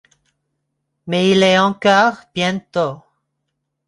Mais il est encore bien tôt.